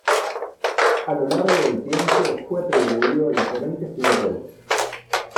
A lo largo del tiempo, fue atribuido a diferentes pintores.